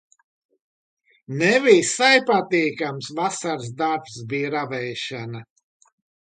Ne visai patīkams vasaras darbs bija ravēšana.